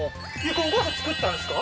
これお母さん作ったんですか？